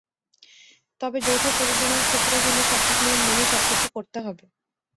তবে যৌথ প্রযোজনার ক্ষেত্রেও কিন্তু সঠিক নিয়ম মেনেই সবকিছু করতে হবে।